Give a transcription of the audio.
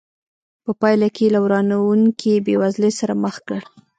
په پایله کې له ورانوونکې بېوزلۍ سره مخ کړ.